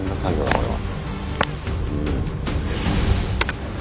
これは。